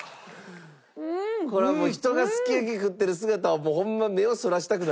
これは人がすき焼き食ってる姿はホンマ目をそらしたくなる。